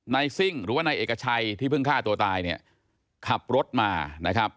ซิ่งหรือว่านายเอกชัยที่เพิ่งฆ่าตัวตายเนี่ยขับรถมานะครับ